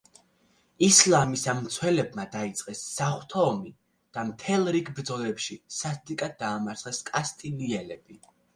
ისლამის ამ მცველებმა დაიწყეს საღვთო ომი და მთელ რიგ ბრძოლებში სასტიკად დაამარცხეს კასტილიელები.